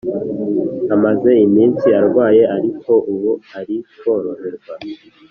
Amaze iminsi arwaye ariko ubu ari koroherwa